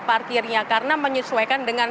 parkirnya karena menyesuaikan dengan